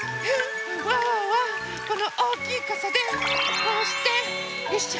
ワンワンはこのおおきいかさでこうしてよいしょ。